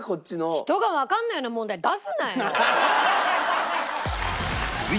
人がわかんないような問題出すなよ！